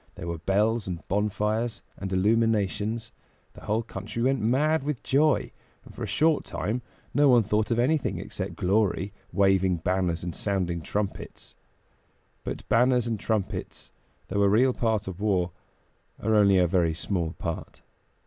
There were bells and bonfires and illuminations; the whole country went mad with joy, and for a short time no one thought of anything except glory, waving banners and sounding trumpets. But banners and trumpets, though a real part of war, are only a very small part.